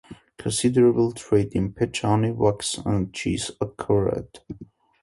Considerable trade in pitch, honey, wax, and cheese occurred.